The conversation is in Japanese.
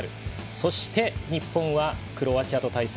そして日本はクロアチアと対戦。